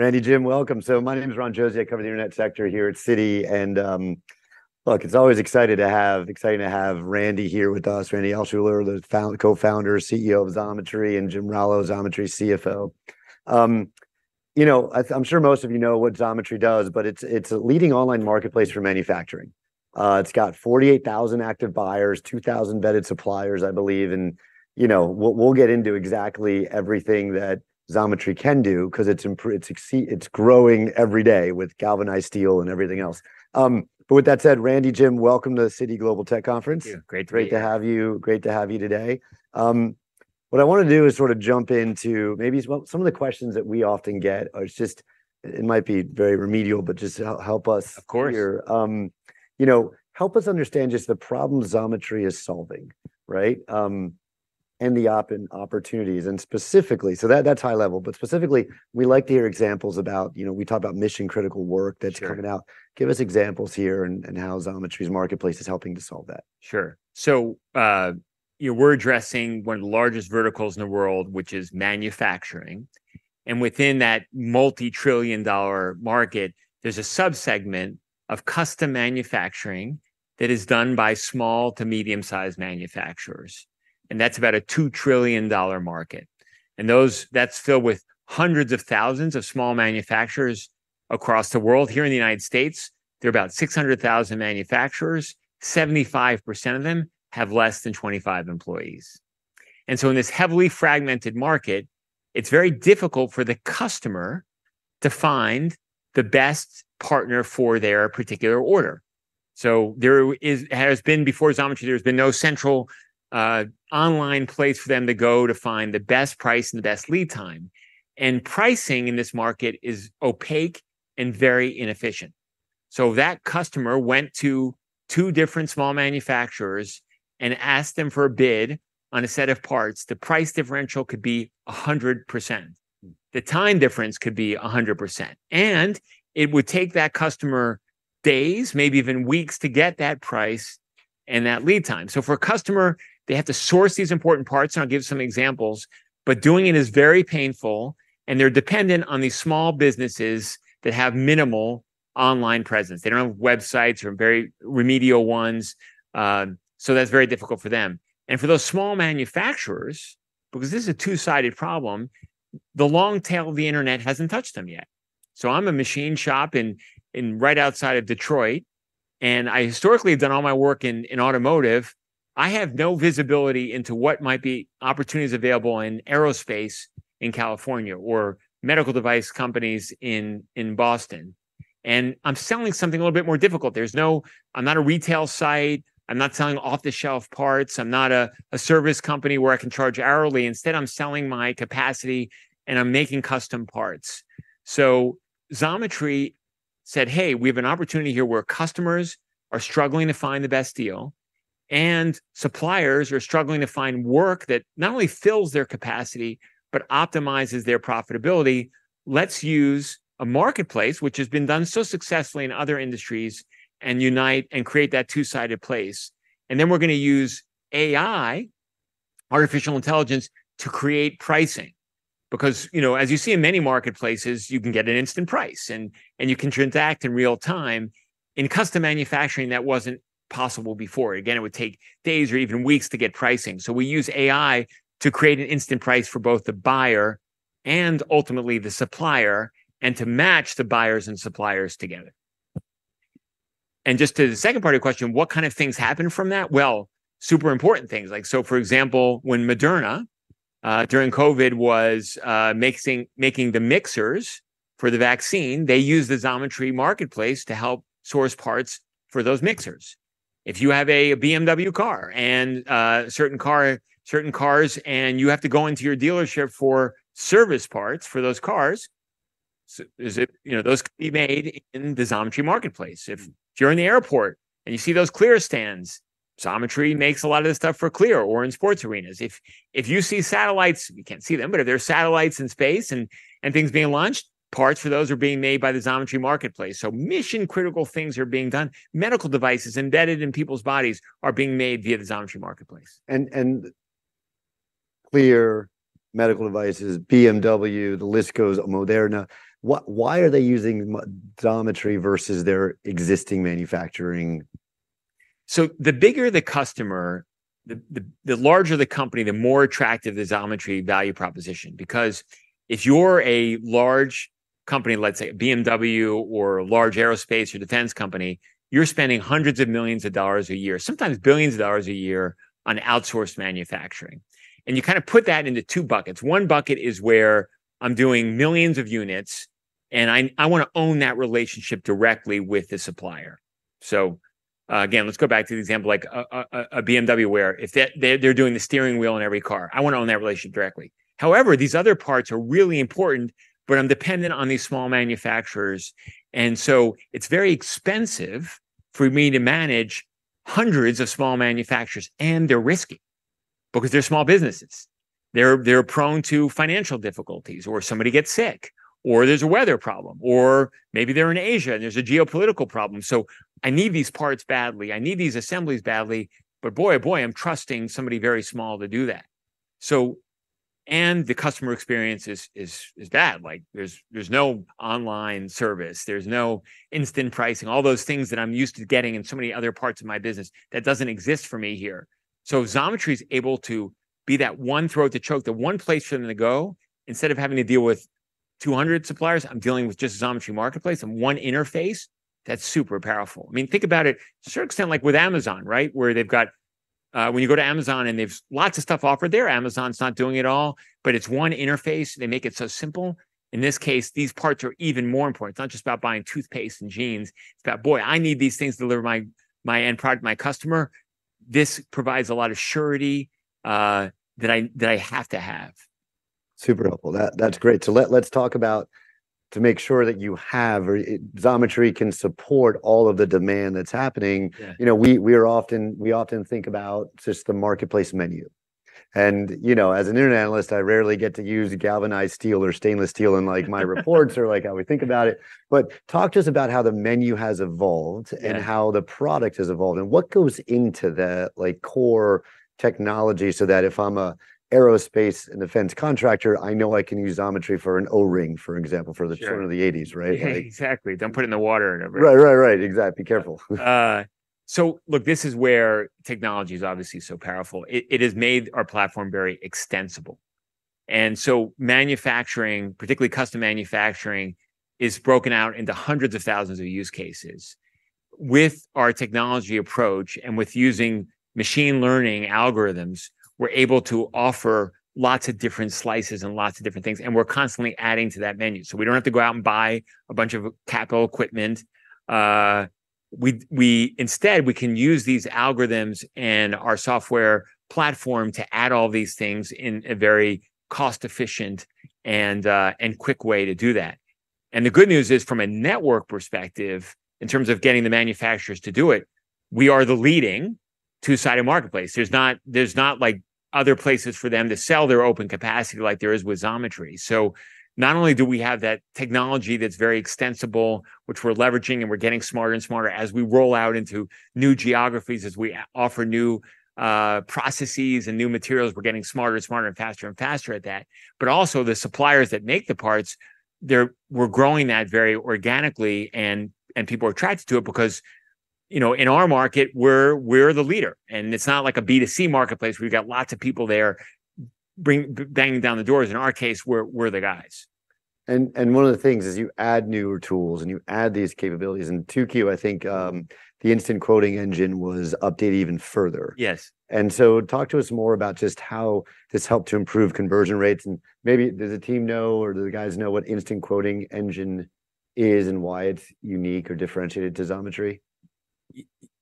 Randy, Jim, welcome. So my name is Ron Josey, I cover the internet sector here at Citi, and look, it's always exciting to have, exciting to have Randy here with us, Randy Altschuler, the co-founder, CEO of Xometry, and Jim Rallo, Xometry CFO. You know, I'm sure most of you know what Xometry does, but it's a leading online marketplace for manufacturing. It's got 48,000 active buyers, 2,000 vetted suppliers, I believe, and you know, we'll get into exactly everything that Xometry can do, 'cause it's growing every day with galvanized steel and everything else. But with that said, Randy, Jim, welcome to the Citi Global Tech Conference. Thank you. Great to be here. Great to have you. Great to have you today. What I want to do is sort of jump into maybe some, some of the questions that we often get are just... It might be very remedial, but just help us- Of course... here. You know, help us understand just the problem Xometry is solving, right? And the opportunities, and specifically... So that's high level, but specifically, we like to hear examples about, you know, we talk about mission-critical work- that's coming out. Give us examples here, and, and how Xometry's marketplace is helping to solve that. Sure. So, yeah, we're addressing one of the largest verticals in the world, which is manufacturing, and within that multi-trillion dollar market, there's a sub-segment of custom manufacturing that is done by small to medium-sized manufacturers, and that's about a $2 trillion market. And that's filled with hundreds of thousands of small manufacturers across the world. Here in the United States, there are about 600,000 manufacturers. 75% of them have less than 25 employees. And so in this heavily fragmented market, it's very difficult for the customer to find the best partner for their particular order. So there has been, before Xometry, there's been no central, online place for them to go to find the best price and the best lead time. And pricing in this market is opaque and very inefficient. So if that customer went to two different small manufacturers and asked them for a bid on a set of parts, the price differential could be 100%. The time difference could be 100%, and it would take that customer days, maybe even weeks, to get that price and that lead time. So for a customer, they have to source these important parts, and I'll give some examples, but doing it is very painful, and they're dependent on these small businesses that have minimal online presence. They don't have websites or very remedial ones, so that's very difficult for them. And for those small manufacturers, because this is a two-sided problem, the long tail of the internet hasn't touched them yet. So I'm a machine shop right outside of Detroit, and I historically have done all my work in automotive. I have no visibility into what might be opportunities available in aerospace in California or medical device companies in Boston, and I'm selling something a little bit more difficult. There's no... I'm not a retail site. I'm not selling off-the-shelf parts. I'm not a service company where I can charge hourly. Instead, I'm selling my capacity, and I'm making custom parts. So Xometry said, "Hey, we have an opportunity here where customers are struggling to find the best deal, and suppliers are struggling to find work that not only fills their capacity but optimizes their profitability. Let's use a marketplace, which has been done so successfully in other industries, and unite and create that two-sided place. And then we're going to use AI, artificial intelligence, to create pricing. Because, you know, as you see in many marketplaces, you can get an instant price, and you can transact in real time. In custom manufacturing, that wasn't possible before. Again, it would take days or even weeks to get pricing. So we use AI to create an instant price for both the buyer and ultimately the supplier, and to match the buyers and suppliers together. And just to the second part of your question, what kind of things happen from that? Well, super important things, like... So, for example, when Moderna during COVID was mixing, making the mixers for the vaccine, they used the Xometry marketplace to help source parts for those mixers. If you have a BMW car and certain car, certain cars, and you have to go into your dealership for service parts for those cars... You know, those can be made in the Xometry marketplace. If you're in the airport and you see those Clear stands, Xometry makes a lot of the stuff for Clear, or in sports arenas. If you see satellites, you can't see them, but if there are satellites in space and things being launched, parts for those are being made by the Xometry marketplace. So mission-critical things are being done. Medical devices embedded in people's bodies are being made via the Xometry marketplace. Clear medical devices, BMW, the list goes... Moderna. Why are they using Xometry versus their existing manufacturing? So the bigger the customer, the larger the company, the more attractive the Xometry value proposition. Because if you're a large company, let's say a BMW or a large aerospace or defense company, you're spending $hundreds of millions a year, sometimes $billions a year, on outsourced manufacturing, and you kind of put that into two buckets. One bucket is where I'm doing millions of units, and I want to own that relationship directly with the supplier. So again, let's go back to the example like a BMW, where they're doing the steering wheel on every car, I want to own that relationship directly. However, these other parts are really important, but I'm dependent on these small manufacturers, and so it's very expensive for me to manage hundreds of small manufacturers, and they're risky because they're small businesses. They're prone to financial difficulties, or somebody gets sick, or there's a weather problem, or maybe they're in Asia, and there's a geopolitical problem. So I need these parts badly. I need these assemblies badly, but boy, oh, boy, I'm trusting somebody very small to do that.... So the customer experience is bad. Like, there's no online service, there's no instant pricing, all those things that I'm used to getting in so many other parts of my business, that doesn't exist for me here. So if Xometry's able to be that one throat to choke, the one place for them to go, instead of having to deal with 200 suppliers, I'm dealing with just Xometry Marketplace and one interface, that's super powerful. I mean, think about it, to a certain extent, like with Amazon, right? Where they've got, when you go to Amazon, and they've lots of stuff offered there. Amazon's not doing it all, but it's one interface. They make it so simple. In this case, these parts are even more important. It's not just about buying toothpaste and jeans. It's about, "Boy, I need these things to deliver my, my end product to my customer." This provides a lot of surety, that I, that I have to have. Super helpful. That's great. So let's talk about to make sure that you have, or Xometry can support all of the demand that's happening. You know, we often think about just the marketplace menu, and, you know, as an internet analyst, I rarely get to use galvanized steel or stainless steel in, like, my reports or, like, how we think about it. But talk to us about how the menu has evolved and how the product has evolved, and what goes into that, like, core technology, so that if I'm an aerospace and defense contractor, I know I can use Xometry for an O-ring, for example- Sure... for the turn of the 1980s, right? Like- Exactly. Don't put it in the water and everything. Right, right, right. Exactly. Be careful. So look, this is where technology's obviously so powerful. It, it has made our platform very extensible, and so manufacturing, particularly custom manufacturing, is broken out into hundreds of thousands of use cases. With our technology approach and with using machine learning algorithms, we're able to offer lots of different slices and lots of different things, and we're constantly adding to that menu, so we don't have to go out and buy a bunch of capital equipment. Instead, we can use these algorithms and our software platform to add all these things in a very cost-efficient and quick way to do that. And the good news is, from a network perspective, in terms of getting the manufacturers to do it, we are the leading two-sided marketplace. There's not, there's not, like, other places for them to sell their open capacity like there is with Xometry. Not only do we have that technology that's very extensible, which we're leveraging, and we're getting smarter and smarter as we roll out into new geographies, as we offer new processes and new materials, we're getting smarter and smarter and faster and faster at that, but also, the suppliers that make the parts, they're... We're growing that very organically, and people are attracted to it because, you know, in our market, we're the leader, and it's not like a B2C marketplace where you've got lots of people there bang down the doors. In our case, we're the guys. One of the things as you add newer tools, and you add these capabilities, and Q2, I think, the Instant Quoting Engine was updated even further. Yes. And so talk to us more about just how this helped to improve conversion rates, and maybe does the team know, or do the guys know, what Instant Quoting Engine is and why it's unique or differentiated to Xometry?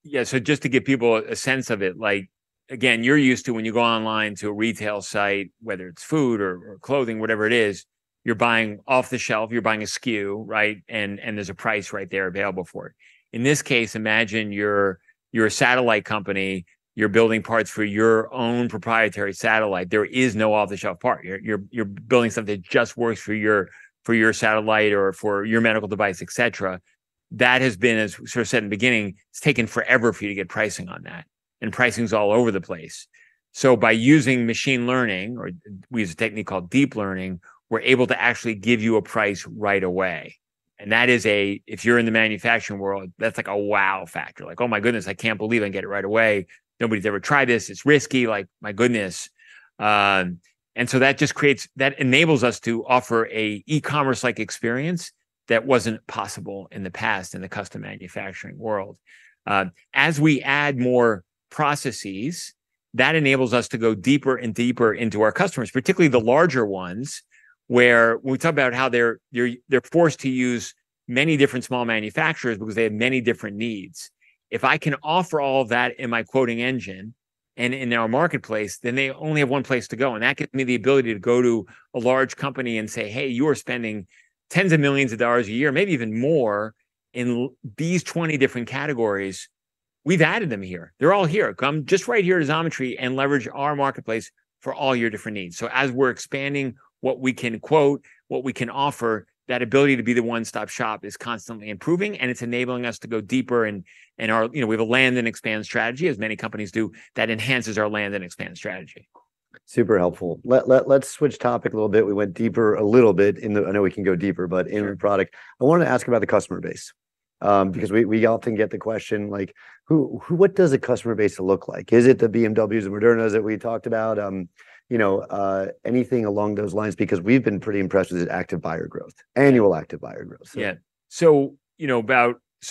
Yeah, so just to give people a sense of it, like, again, you're used to when you go online to a retail site, whether it's food or clothing, whatever it is, you're buying off the shelf, you're buying a SKU, right? And there's a price right there available for it. In this case, imagine you're a satellite company. You're building parts for your own proprietary satellite. There is no off-the-shelf part. You're building something that just works for your satellite or for your medical device, et cetera. That has been, as we sort of said in the beginning, it's taken forever for you to get pricing on that, and pricing's all over the place. So by using machine learning, or we use a technique called deep learning, we're able to actually give you a price right away, and that is a... If you're in the manufacturing world, that's like a wow factor. Like, "Oh, my goodness, I can't believe I can get it right away. Nobody's ever tried this. It's risky. Like, my goodness!" And so that just creates... That enables us to offer an e-commerce-like experience that wasn't possible in the past in the custom manufacturing world. As we add more processes, that enables us to go deeper and deeper into our customers, particularly the larger ones, where when we talk about how they're forced to use many different small manufacturers because they have many different needs. If I can offer all of that in my quoting engine and in our marketplace, then they only have one place to go, and that gives me the ability to go to a large company and say, "Hey, you are spending $10s of millions a year, maybe even more, in these 20 different categories. We've added them here. They're all here. Come just right here to Xometry and leverage our marketplace for all your different needs." So as we're expanding what we can quote, what we can offer, that ability to be the one-stop shop is constantly improving, and it's enabling us to go deeper in our... You know, we have a land and expand strategy, as many companies do. That enhances our land and expand strategy. Super helpful. Let's switch topic a little bit. We went deeper a little bit in the... I know we can go deeper, but in product. I wanted to ask about the customer base, because we often get the question, like, "Who, What does the customer base look like?" Is it the BMWs and Modernas that we talked about? You know, anything along those lines? Because we've been pretty impressed with the active buyer growth, annual active buyer growth, so. Yeah. So, you know,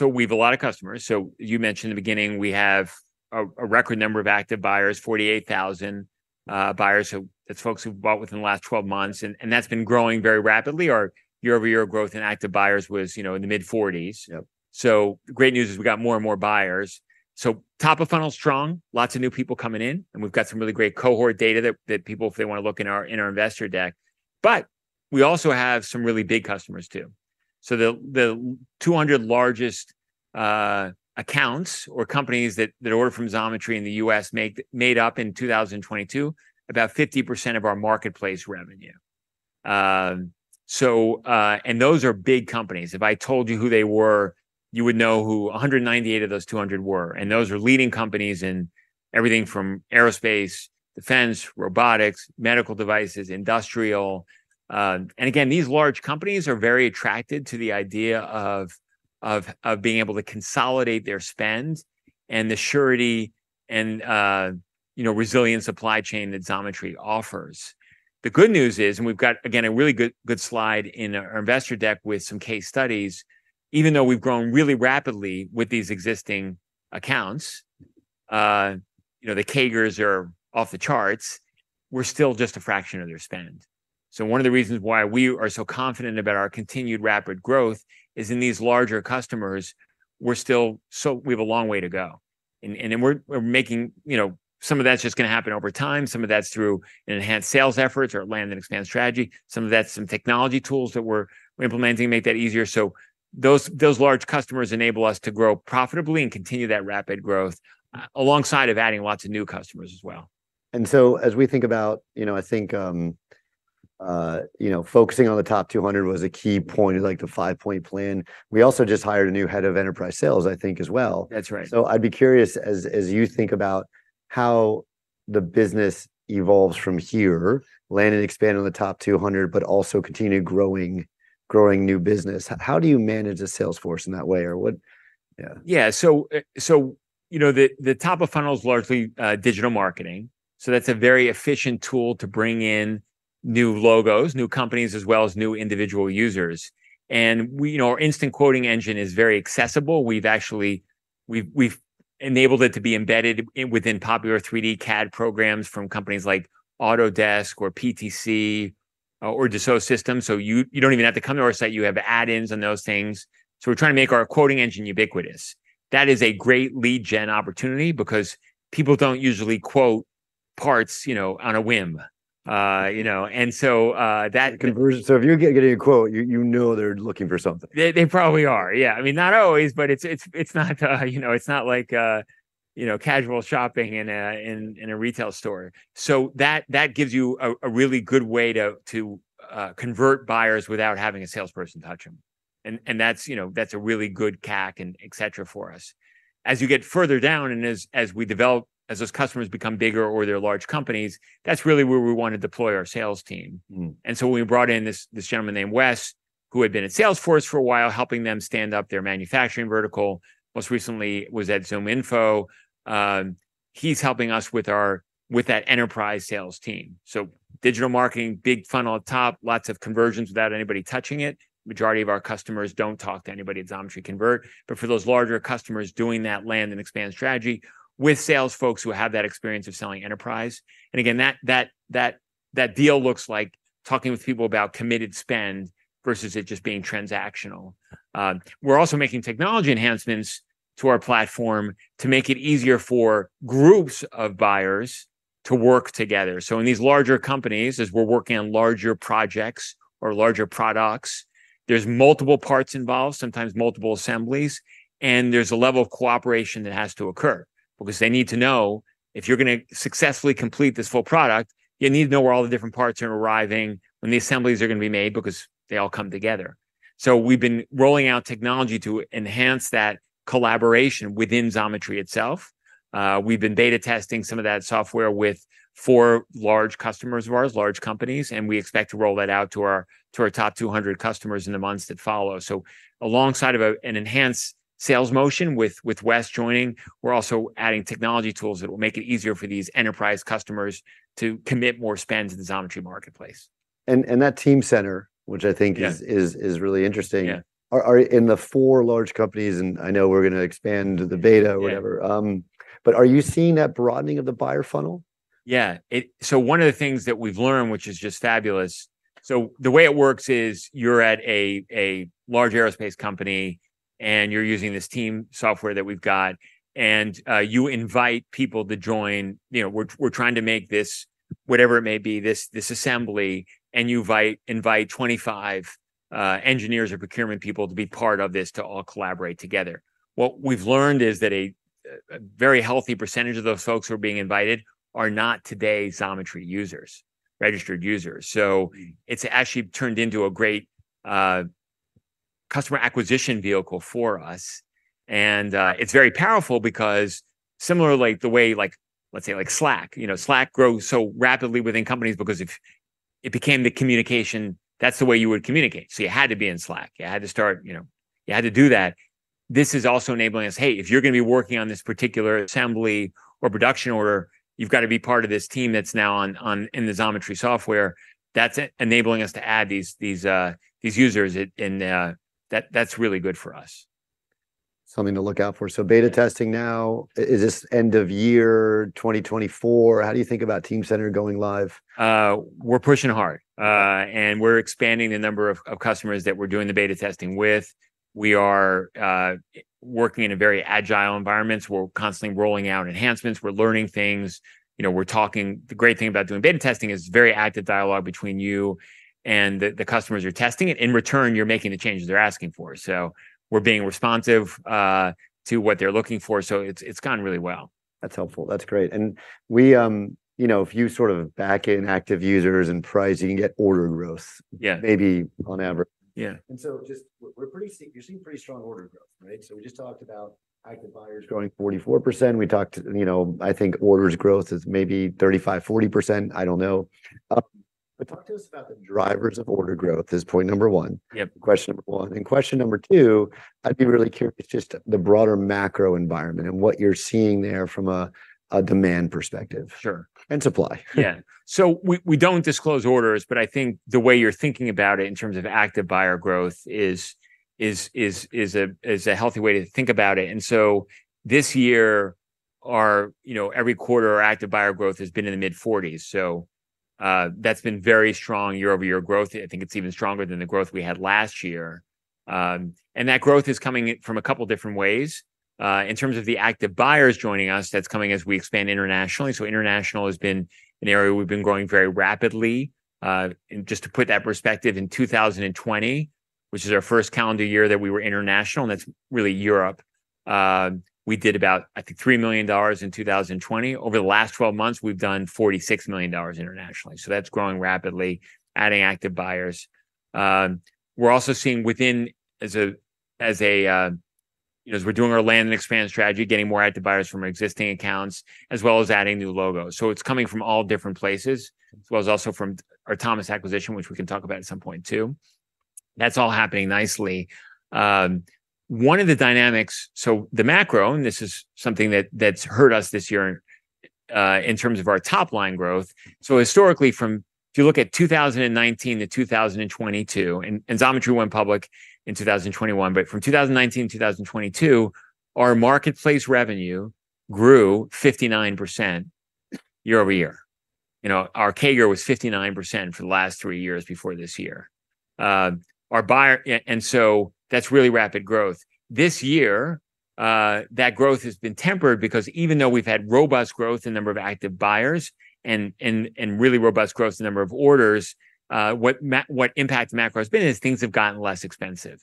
we've a lot of customers. So you mentioned in the beginning we have a record number of active buyers, 48,000 buyers, so that's folks who've bought within the last 12 months, and that's been growing very rapidly. Our year-over-year growth in active buyers was, you know, in the mid-40s. Yep. So the great news is we've got more and more buyers, so top of funnel's strong, lots of new people coming in, and we've got some really great cohort data that people, if they wanna look in our investor deck, but we also have some really big customers, too. So the 200 largest accounts or companies that order from Xometry in the U.S. made up, in 2022, about 50% of our marketplace revenue. So and those are big companies. If I told you who they were, you would know who 198 of those 200 were, and those are leading companies in everything from aerospace, defense, robotics, medical devices, industrial. And again, these large companies are very attracted to the idea of being able to consolidate their spend and the surety and, you know, resilient supply chain that Xometry offers. The good news is, and we've got, again, a really good slide in our investor deck with some case studies, even though we've grown really rapidly with these existing accounts, you know, the CAGRs are off the charts, we're still just a fraction of their spend. So one of the reasons why we are so confident about our continued rapid growth is in these larger customers, we're still- so we have a long way to go. And we're making... You know, some of that's just gonna happen over time. Some of that's through enhanced sales efforts, or land and expand strategy. Some of that's some technology tools that we're implementing to make that easier. So those large customers enable us to grow profitably and continue that rapid growth, alongside of adding lots of new customers as well. And so as we think about, you know, I think, you know, focusing on the top 200 was a key point, like the five-point plan. We also just hired a new head of enterprise sales, I think, as well. That's right. So I'd be curious, as you think about how the business evolves from here, land and expand on the top 200, but also continue growing new business, how do you manage a sales force in that way? Or what? Yeah. Yeah, so, you know, the top of funnel is largely digital marketing, so that's a very efficient tool to bring in new logos, new companies, as well as new individual users. We- you know, our Instant Quoting Engine is very accessible. We've actually- we've enabled it to be embedded in- within popular 3D CAD programs from companies like Autodesk or PTC, or Dassault Systèmes. You don't even have to come to our site, you have add-ins on those things. We're trying to make our quoting engine ubiquitous. That is a great lead gen opportunity because people don't usually quote parts, you know, on a whim. You know, and so, that- Conversion, so if you're getting a quote, you, you know they're looking for something. They probably are, yeah. I mean, not always, but it's not, you know, it's not like, you know, casual shopping in a retail store. So that gives you a really good way to convert buyers without having a salesperson touch them. And that's, you know, that's a really good CAC and et cetera for us. As you get further down, and as we develop, as those customers become bigger or they're large companies, that's really where we want to deploy our sales team. We brought in this gentleman named Wes, who had been at Salesforce for a while, helping them stand up their manufacturing vertical, most recently was at ZoomInfo. He's helping us with our... with that enterprise sales team. Digital marketing, big funnel at the top, lots of conversions without anybody touching it. Majority of our customers don't talk to anybody at Xometry Convert, but for those larger customers, doing that land and expand strategy with sales folks who have that experience of selling enterprise. Again, that deal looks like talking with people about committed spend versus it just being transactional. We're also making technology enhancements to our platform to make it easier for groups of buyers to work together. So in these larger companies, as we're working on larger projects or larger products, there's multiple parts involved, sometimes multiple assemblies, and there's a level of cooperation that has to occur. Because they need to know, if you're gonna successfully complete this full product, you need to know where all the different parts are arriving, when the assemblies are gonna be made, because they all come together. So we've been rolling out technology to enhance that collaboration within Xometry itself. We've been beta testing some of that software with four large customers of ours, large companies, and we expect to roll that out to our, to our top 200 customers in the months that follow. So alongside of a, an enhanced sales motion with, with Wes joining, we're also adding technology tools that will make it easier for these enterprise customers to commit more spend to the Xometry marketplace. And that Teamcenter which I think is really interesting- Yeah... are in the four large companies, and I know we're gonna expand the beta or whatever but are you seeing that broadening of the buyer funnel? Yeah. So one of the things that we've learned, which is just fabulous... So the way it works is, you're at a large aerospace company, and you're using this team software that we've got, and you invite people to join. You know, we're trying to make this, whatever it may be, this assembly, and you invite 25 engineers or procurement people to be part of this, to all collaborate together. What we've learned is that a very healthy percentage of those folks who are being invited are not today Xometry users, registered users. So it's actually turned into a great customer acquisition vehicle for us. And it's very powerful because similarly, the way, like, let's say, like Slack, you know, Slack grew so rapidly within companies because if... it became the communication, that's the way you would communicate, so you had to be in Slack, you had to start, you know, you had to do that. This is also enabling us: "Hey, if you're gonna be working on this particular assembly or production order, you've got to be part of this team that's now on, in the Xometry software." That's enabling us to add these users, and that, that's really good for us. Something to look out for. Yeah. So, beta testing now, is this end of year 2024? How do you think about Teamspace going live? We're pushing hard, and we're expanding the number of customers that we're doing the beta testing with. We're working in a very agile environment, so we're constantly rolling out enhancements, we're learning things. You know, we're talking. The great thing about doing beta testing is very active dialogue between you and the customers who are testing it. In return, you're making the changes they're asking for. So we're being responsive to what they're looking for, so it's gone really well.... That's helpful. That's great, and we, you know, if you sort of back in active users and pricing, you can get order growth- Yeah. Maybe on average. Yeah. And so just, we're pretty, you're seeing pretty strong order growth, right? So we just talked about active buyers growing 44%. We talked, you know, I think orders growth is maybe 35%-40%, I don't know. But talk to us about the drivers of order growth is point number one. Yep. Question number one, and question number two, I'd be really curious, just the broader macro environment and what you're seeing there from a demand perspective? Sure. -and supply. Yeah. So we don't disclose orders, but I think the way you're thinking about it in terms of active buyer growth is a healthy way to think about it. And so this year, our—you know, every quarter, our active buyer growth has been in the mid-40s, so that's been very strong year-over-year growth. I think it's even stronger than the growth we had last year. And that growth is coming in from a couple different ways. In terms of the active buyers joining us, that's coming as we expand internationally. So international has been an area we've been growing very rapidly. And just to put that in perspective, in 2020, which is our first calendar year that we were international, and that's really Europe, we did about, I think, $3 million in 2020. Over the last 12 months, we've done $46 million internationally, so that's growing rapidly, adding active buyers. We're also seeing within, as you know, as we're doing our land and expand strategy, getting more active buyers from our existing accounts, as well as adding new logos. So it's coming from all different places, as well as also from our Thomas acquisition, which we can talk about at some point, too. That's all happening nicely. One of the dynamics. So the macro, and this is something that's hurt us this year, in terms of our top-line growth. So historically, if you look at 2019-2022, and Xometry went public in 2021, but from 2019- 2022, our marketplace revenue grew 59% year-over-year. You know, our CAGR was 59% for the last 3 years before this year. Our buyer and so that's really rapid growth. This year, that growth has been tempered, because even though we've had robust growth in number of active buyers and really robust growth in number of orders, what impact macro has been is things have gotten less expensive,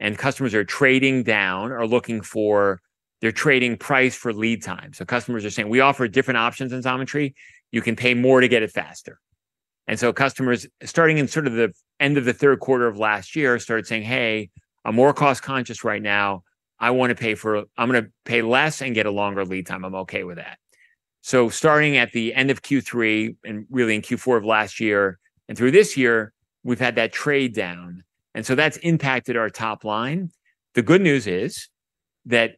and customers are trading down or looking for... They're trading price for lead time. So customers are saying, "We offer different options in Xometry. You can pay more to get it faster." And so customers, starting in sort of the end of the third quarter of last year, started saying, "Hey, I'm more cost-conscious right now. I want to pay. I'm gonna pay less and get a longer lead time. I'm okay with that." So starting at the end of Q3, and really in Q4 of last year and through this year, we've had that trade-down, and so that's impacted our top line. The good news is that,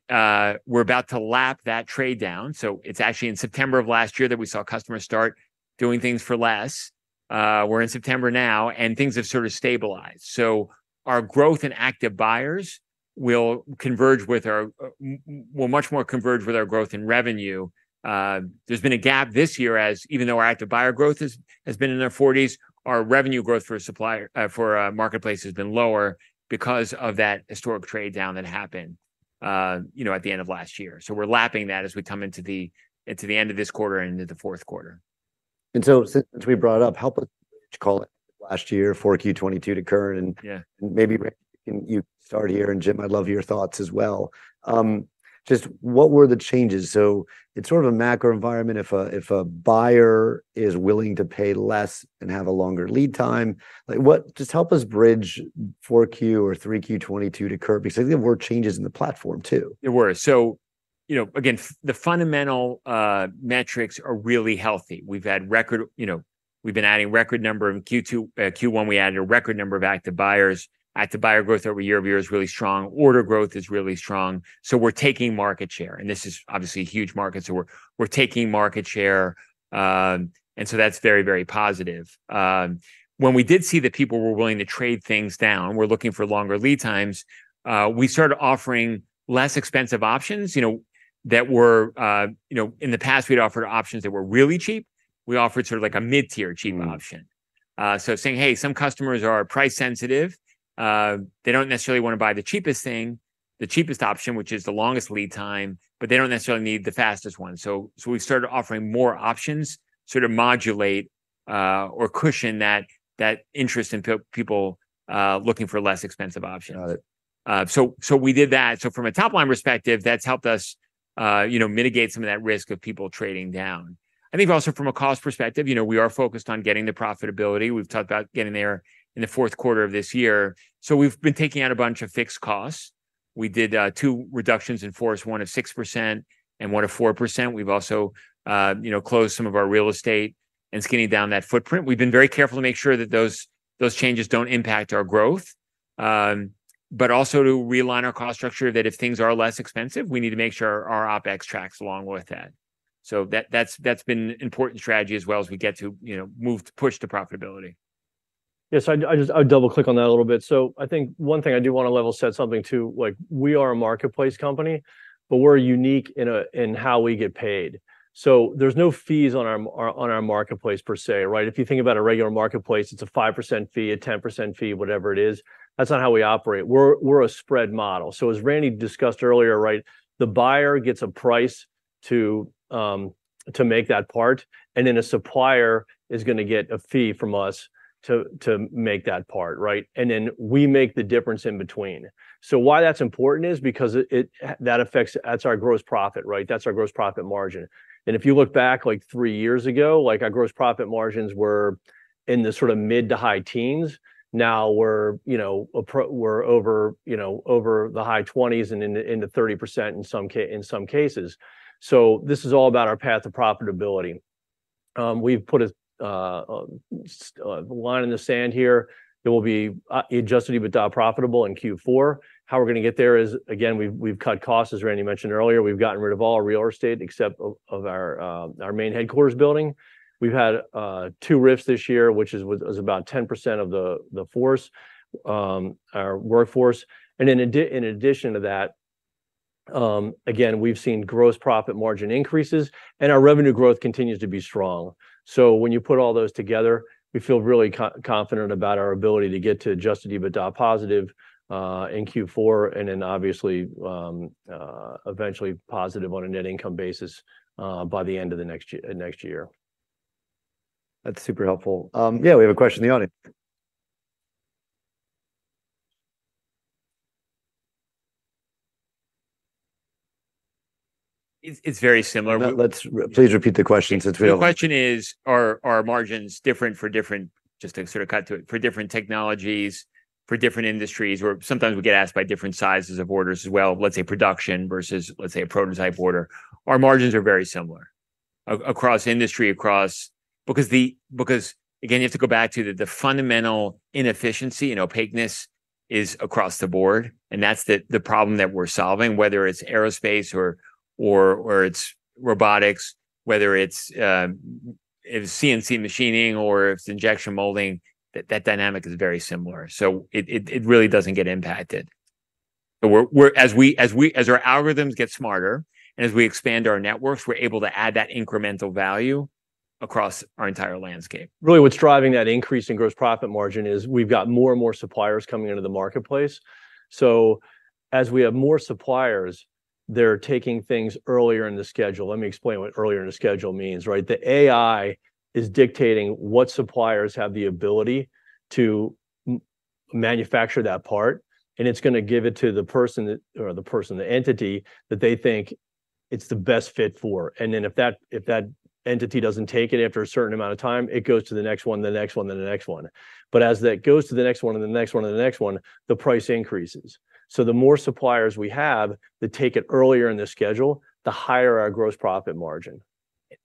we're about to lap that trade-down, so it's actually in September of last year that we saw customers start doing things for less. We're in September now, and things have sort of stabilized. So our growth in active buyers will converge with our, will much more converge with our growth in revenue. There's been a gap this year as even though our active buyer growth has been in the forties, our revenue growth for supplier, for marketplace has been lower because of that historic trade-down that happened, you know, at the end of last year. We're lapping that as we come into the end of this quarter and into the fourth quarter. And so since we brought it up, help us call it last year 4Q22 to current, and- Yeah... maybe you start here, and Jim, I'd love your thoughts as well. Just what were the changes? So it's sort of a macro environment if a buyer is willing to pay less and have a longer lead time. Like, what—just help us bridge Q4 or Q3 2022 to current, because I think there were changes in the platform, too. There were. So, you know, again, the fundamental metrics are really healthy. We've had record, you know, we've been adding record number in Q2. Q1, we added a record number of active buyers. Active buyer growth year-over-year is really strong. Order growth is really strong. So we're taking market share, and this is obviously a huge market, so we're taking market share. And so that's very, very positive. When we did see that people were willing to trade things down, we're looking for longer lead times, we started offering less expensive options, you know, that were... You know, in the past, we'd offered options that were really cheap. We offered sort of like a mid-tier cheap option. So saying, "Hey, some customers are price-sensitive. They don't necessarily want to buy the cheapest thing, the cheapest option, which is the longest lead time, but they don't necessarily need the fastest one." So we started offering more options, sort of modulate or cushion that interest in people looking for less expensive options. Got it. So we did that. So from a top-line perspective, that's helped us, you know, mitigate some of that risk of people trading down. I think also from a cost perspective, you know, we are focused on getting the profitability. We've talked about getting there in the fourth quarter of this year. So we've been taking out a bunch of fixed costs. We did two reductions in force, one of 6% and one of 4%. We've also, you know, closed some of our real estate and skinny down that footprint. We've been very careful to make sure that those changes don't impact our growth, but also to realign our cost structure, that if things are less expensive, we need to make sure our OpEx tracks along with that. So that's been important strategy as well as we get to, you know, move, push to profitability. Yes, I'd just double-click on that a little bit. So I think one thing I do want to level set something, too, like, we are a marketplace company, but we're unique in how we get paid. So there's no fees on our marketplace per se, right? If you think about a regular marketplace, it's a 5% fee, a 10% fee, whatever it is. That's not how we operate. We're a spread model. So as Randy discussed earlier, right, the buyer gets a price to make that part, and then a supplier is gonna get a fee from us to make that part, right? And then we make the difference in between. So why that's important is because it affects, that's our gross profit, right? That's our gross profit margin. And if you look back, like, three years ago, like, our gross profit margins were in the sort of mid to high teens. Now we're, you know, we're over, you know, over the high 20s and into 30% in some cases. So this is all about our path to profitability. We've put a line in the sand here. It will be Adjusted EBITDA profitable in Q4. How we're gonna get there is, again, we've cut costs, as Randy mentioned earlier. We've gotten rid of all real estate, except of our main headquarters building. We've had two RIFs this year, which was about 10% of our workforce. In addition to that, again, we've seen gross profit margin increases, and our revenue growth continues to be strong. So when you put all those together, we feel really confident about our ability to get to Adjusted EBITDA positive in Q4, and then obviously eventually positive on a net income basis by the end of next year. That's super helpful. Yeah, we have a question in the audience. It's very similar- Please repeat the question since we don't- The question is, are margins different for different, just to sort of cut to it, for different technologies, for different industries? Or sometimes we get asked by different sizes of orders as well, let's say production versus, let's say, a prototype order. Our margins are very similar across industries, across. Because, again, you have to go back to the fundamental inefficiency and opaqueness is across the board, and that's the problem that we're solving, whether it's aerospace or it's robotics, whether it's, if it's CNC machining or if it's injection molding, that dynamic is very similar. So it really doesn't get impacted. But we're as our algorithms get smarter and as we expand our networks, we're able to add that incremental value across our entire landscape. Really, what's driving that increase in gross profit margin is we've got more and more suppliers coming into the marketplace. So as we have more suppliers, they're taking things earlier in the schedule. Let me explain what earlier in the schedule means, right? The AI is dictating what suppliers have the ability to manufacture that part, and it's gonna give it to the person or the person, the entity, that they think it's the best fit for. And then if that entity doesn't take it after a certain amount of time, it goes to the next one, then the next one, then the next one. But as that goes to the next one and the next one and the next one, the price increases. So the more suppliers we have that take it earlier in the schedule, the higher our gross profit margin.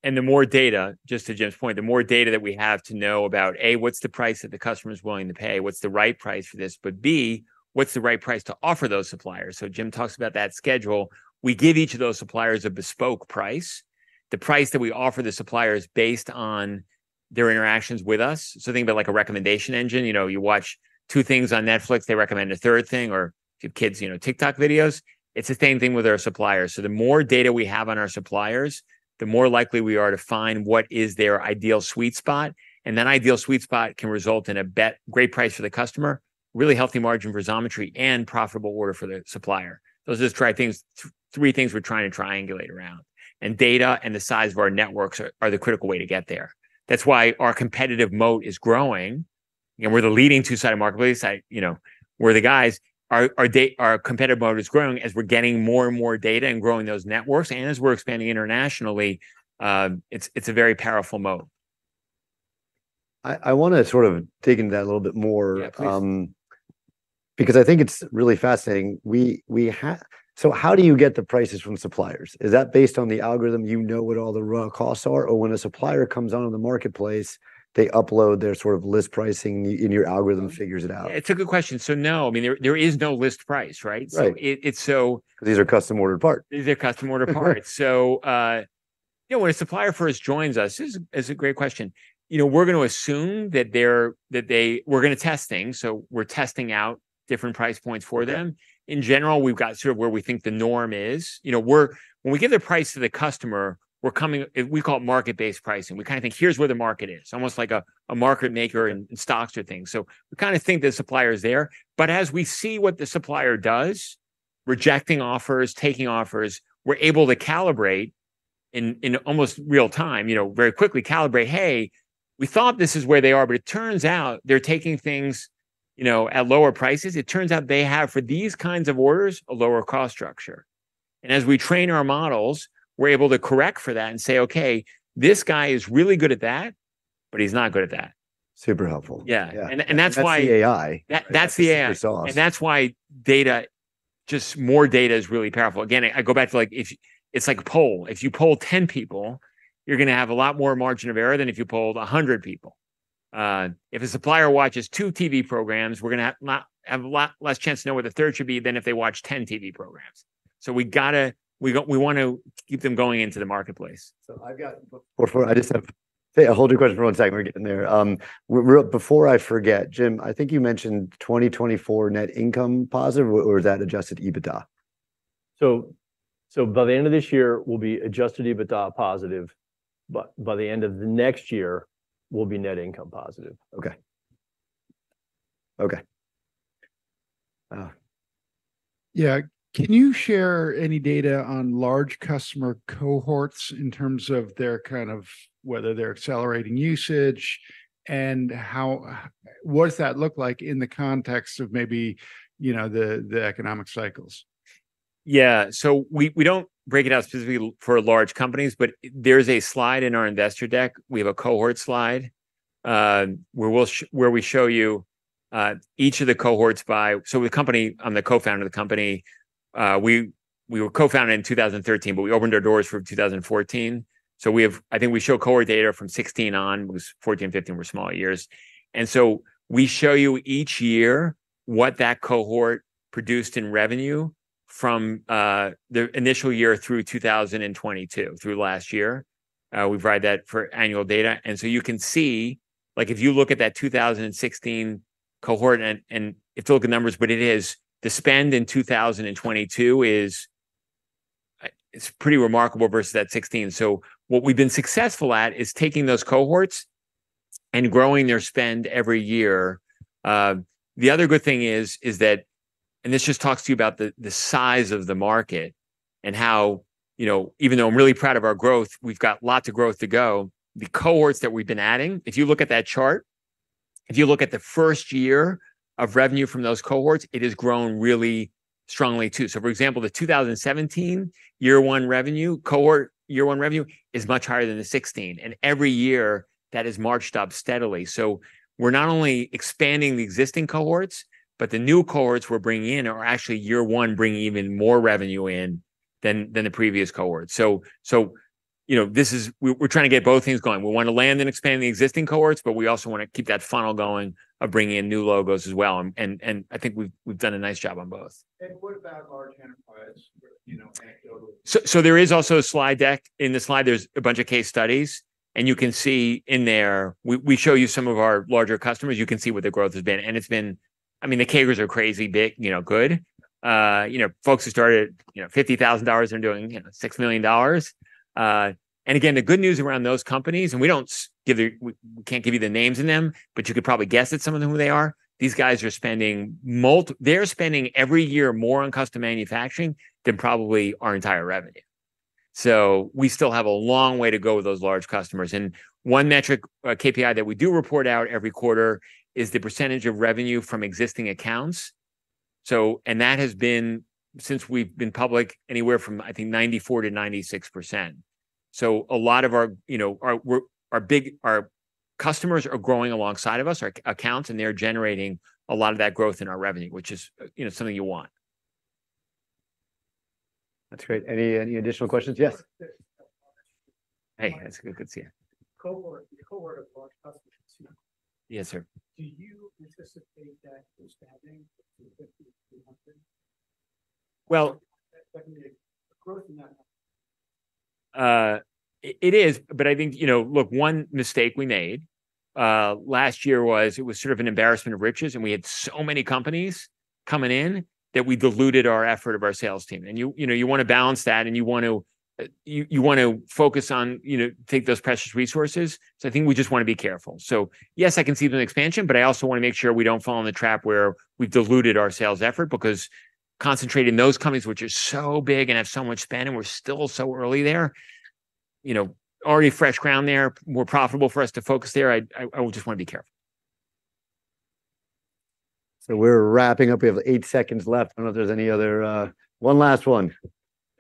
And the more data, just to Jim's point, the more data that we have to know about, A, what's the price that the customer is willing to pay? What's the right price for this? But B, what's the right price to offer those suppliers? So Jim talks about that schedule. We give each of those suppliers a bespoke price, the price that we offer the suppliers based on their interactions with us. So think about like a recommendation engine. You know, you watch two things on Netflix, they recommend a third thing, or if your kids, you know, TikTok videos. It's the same thing with our suppliers. So the more data we have on our suppliers, the more likely we are to find what is their ideal sweet spot, and that ideal sweet spot can result in a great price for the customer, really healthy margin for Xometry, and profitable order for the supplier. Those are just three things, three things we're trying to triangulate around, and data and the size of our networks are the critical way to get there. That's why our competitive moat is growing, and we're the leading two-sided marketplace. You know, we're the guys. Our competitive moat is growing as we're getting more and more data and growing those networks and as we're expanding internationally. It's a very powerful moat. I wanna sort of dig into that a little bit more- Yeah, please. Because I think it's really fascinating. So how do you get the prices from suppliers? Is that based on the algorithm, you know what all the raw costs are? Or when a supplier comes onto the marketplace, they upload their sort of list pricing, and your algorithm figures it out? It's a good question. So no, I mean, there, there is no list price, right? Right. So it's so- These are custom-ordered parts. These are custom-ordered parts. So, you know, when a supplier first joins us. It's a great question. You know, we're gonna assume that they're. We're gonna test things, so we're testing out different price points for them. In general, we've got sort of where we think the norm is. You know, we're- when we give the price to the customer, we're coming- we call it market-based pricing. We kinda think, here's where the market is, almost like a, a market maker in, in stocks or things. So we kinda think the supplier is there. But as we see what the supplier does, rejecting offers, taking offers, we're able to calibrate in, in almost real time, you know, very quickly calibrate, "Hey, we thought this is where they are, but it turns out they're taking things, you know, at lower prices. It turns out they have, for these kinds of orders, a lower cost structure." And as we train our models, we're able to correct for that and say, "Okay, this guy is really good at that, but he's not good at that. Super helpful. Yeah. And that's why- And that's the AI- That, that's the AI.... the sauce. That's why data, just more data is really powerful. Again, I go back to, like, it's like a poll. If you poll 10 people, you're gonna have a lot more margin of error than if you polled 100 people. If a supplier watches 2 TV programs, we're gonna have a lot less chance to know what the third should be than if they watch 10 TV programs. So we gotta—we, we want to keep them going into the marketplace. So I've got- Before, I just have... Hey, I'll hold your question for one second. We're getting there. Before I forget, Jim, I think you mentioned 2024 net income positive, or, or was that Adjusted EBITDA? So by the end of this year, we'll be adjusted EBITDA positive, but by the end of the next year, we'll be net income positive. Okay. Okay. Yeah. Can you share any data on large customer cohorts in terms of their kind of, whether they're accelerating usage? And how... What does that look like in the context of maybe, you know, the economic cycles? Yeah. So we don't break it out specifically for large companies, but there's a slide in our investor deck. We have a cohort slide, where we'll show you each of the cohorts by... So the company, I'm the co-founder of the company. We were co-founded in 2013, but we opened our doors from 2014. So we have. I think we show cohort data from 2016 on, because 2014 and 2015 were smaller years. And so we show you each year what that cohort produced in revenue from their initial year through 2022, through last year. We provide that for annual data. And so you can see, like, if you look at that 2016 cohort, and it's all good numbers, but it is, the spend in 2022 is pretty remarkable versus that 2016. So what we've been successful at is taking those cohorts and growing their spend every year. The other good thing is that, and this just talks to you about the size of the market and how, you know, even though I'm really proud of our growth, we've got lots of growth to go. The cohorts that we've been adding, if you look at that chart, if you look at the first year of revenue from those cohorts, it has grown really strongly, too. So for example, the 2017 year one revenue, cohort year one revenue is much higher than the 2016, and every year that has marched up steadily. So we're not only expanding the existing cohorts, but the new cohorts we're bringing in are actually year one, bringing even more revenue in than the previous cohort. So, you know, this is... We're trying to get both things going. We want to land and expand the existing cohorts, but we also want to keep that funnel going of bringing in new logos as well. I think we've done a nice job on both. What about large enterprise, you know, anecdotally? So there is also a slide deck. In the slide, there's a bunch of case studies, and you can see in there, we show you some of our larger customers. You can see what the growth has been. And it's been... I mean, the CAGRs are crazy, big, you know, good. You know, folks who started, you know, $50,000, they're doing, you know, $6 million. And again, the good news around those companies, and we don't give you, we can't give you the names of them, but you could probably guess at some of them who they are. These guys are spending they're spending every year more on custom manufacturing than probably our entire revenue. So we still have a long way to go with those large customers. One metric, KPI that we do report out every quarter is the percentage of revenue from existing accounts. And that has been, since we've been public, anywhere from, I think, 94%-96%. So a lot of our, you know, our big customers are growing alongside of us, our accounts, and they're generating a lot of that growth in our revenue, which is, you know, something you want. That's great. Any additional questions? Yes. Hey, it's good to see you. Cohort, the cohort of large customers, you know? Yes, sir. Do you anticipate that expanding to 50-300? Well- That can be a growth in that number. It is, but I think, you know, look, one mistake we made last year was. It was sort of an embarrassment of riches, and we had so many companies coming in that we diluted our effort of our sales team. And you know, you want to balance that, and you want to you want to focus on, you know, take those precious resources. So I think we just want to be careful. So yes, I can see the expansion, but I also want to make sure we don't fall in the trap where we've diluted our sales effort because concentrating those companies, which are so big and have so much spend, and we're still so early there, you know, already fresh ground there, more profitable for us to focus there. I would just want to be careful. So we're wrapping up. We have 8 seconds left. I don't know if there's any other... One last one. So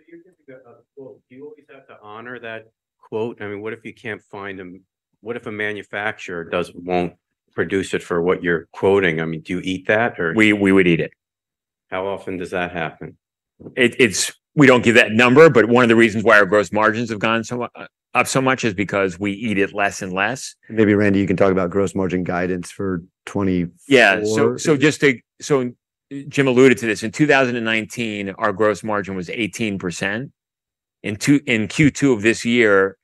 you're giving a quote. Do you always have to honor that quote? I mean, what if you can't find a... What if a manufacturer does, won't produce it for what you're quoting? I mean, do you eat that or- We would eat it. How often does that happen? We don't give that number, but one of the reasons why our gross margins have gone up so much is because we eat it less and less. Maybe, Randy, you can talk about gross margin guidance for 2024. Yeah. So, so just to... So Jim alluded to this. In 2019, our gross margin was 18%. In 2022, in Q2 of this year,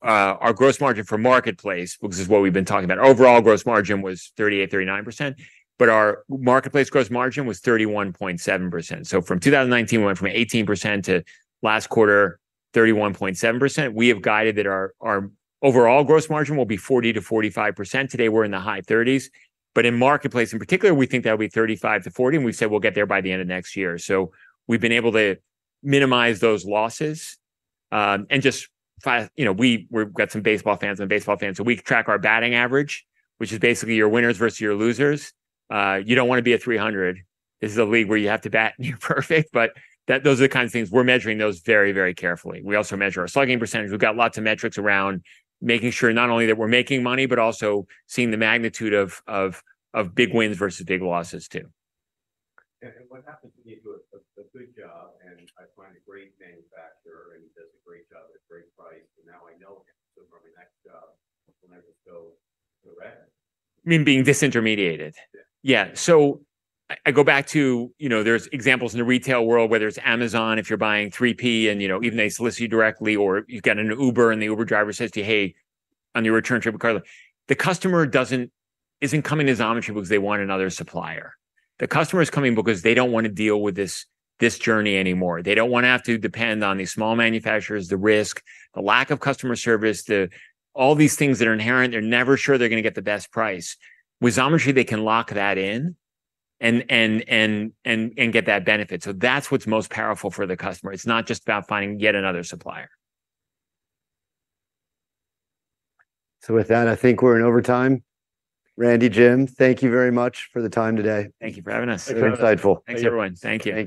our gross margin for Marketplace, which is what we've been talking about, overall gross margin was 38%-39%, but our Marketplace gross margin was 31.7%. So from 2019, we went from 18% to last quarter, 31.7%. We have guided that our overall gross margin will be 40%-45%. Today, we're in the high 30s, but in Marketplace in particular, we think that'll be 35%-40%, and we've said we'll get there by the end of next year. So we've been able to minimize those losses. And just five... You know, we, we've got some baseball fans, I'm a baseball fan, so we track our batting average, which is basically your winners versus your losers. You don't want to be at 300. This is a league where you have to bat, and you're perfect, but that, those are the kind of things, we're measuring those very, very carefully. We also measure our slugging percentage. We've got lots of metrics around, making sure not only that we're making money, but also seeing the magnitude of, of, of big wins versus big losses, too. What happens if you do a good job, and I find a great manufacturer, and he does a great job at a great price, and now I know him, so for my next job, I'm gonna go to Red? You mean being disintermediated? Yeah. So I, I go back to, you know, there's examples in the retail world, whether it's Amazon, if you're buying 3P, and, you know, even they solicit you directly, or you've got an Uber, and the Uber driver says to you, "Hey, on your return trip, because..." The customer doesn't, isn't coming to Xometry because they want another supplier. The customer is coming because they don't want to deal with this, this journey anymore. They don't want to have to depend on these small manufacturers, the risk, the lack of customer service, the... All these things that are inherent. They're never sure they're gonna get the best price. With Xometry, they can lock that in and get that benefit. So that's what's most powerful for the customer. It's not just about finding yet another supplier. With that, I think we're in overtime. Randy, Jim, thank you very much for the time today. Thank you for having us. Thank you for having us. It's been insightful. Thanks, everyone. Thank you. Thank you.